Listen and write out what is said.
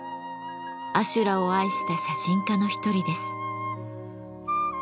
阿修羅を愛した写真家の一人です。